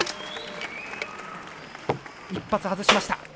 １発外しました。